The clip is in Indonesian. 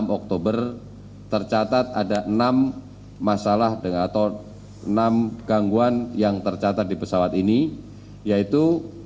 enam oktober tercatat ada enam masalah atau enam gangguan yang tercatat di pesawat ini yaitu